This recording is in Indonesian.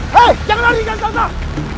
hei jangan lari kisanak